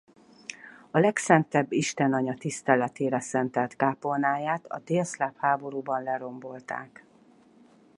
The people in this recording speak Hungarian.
A Legszentebb Istenanya tiszteletére szentelt kápolnáját a délszláv háborúban lerombolták.